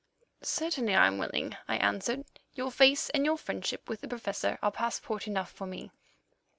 "Certainly I am willing," I answered; "your face and your friendship with the Professor are passport enough for me.